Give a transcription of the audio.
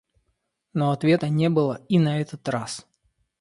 Но ответа не было и на этот раз.